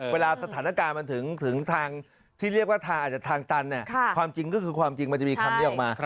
เวลาสถานการณ์มันถึงทางที่เรียกว่าทางอาจจะทางตันความจริงก็คือความจริงมันจะมีคำนี้ออกมา